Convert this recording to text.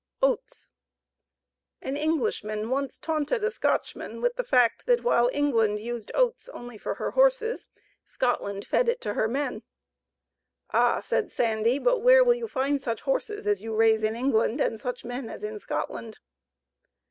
Oats. An Englishman once taunted a Scotchman with the fact that while England used oats only for her horses, Scotland fed it to her men. "Ah!" said Sandy; "but where will you find such horses as you raise in England and such men as in Scotland!"